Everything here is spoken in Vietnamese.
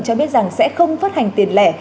cho biết rằng sẽ không phát hành tiền lẻ